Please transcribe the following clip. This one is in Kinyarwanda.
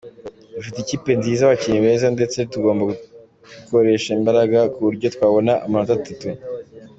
Dufite ikipe nziza, abakinnyi beza ndetse tugomba gukoresha imbaraga ku buryo twabona amanota atatu.